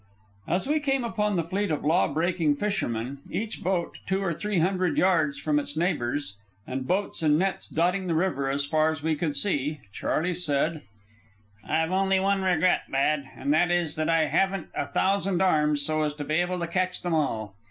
As we came upon the fleet of law breaking fishermen, each boat two or three hundred yards from its neighbors, and boats and nets dotting the river as far as we could see, Charley said: "I've only one regret, lad, and that is that I haven't a thousand arms so as to be able to catch them all.